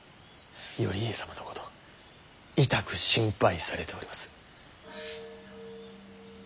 頼家様のことをいたく心配されております。